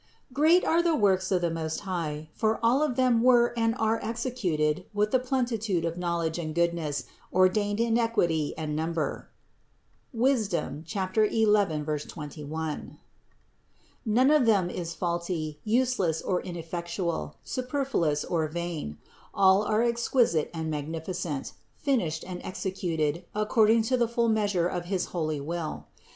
70. Great are the works of the Most High, for all of them were and are executed with the plenitude of knowl edge and goodness, ordained in equity and number (Wis. 11, 21). None of them is faulty, useless or in effectual, superfluous or vain ; all are exquisite and mag nificent, finished and executed according to the full meas ure of his holy will.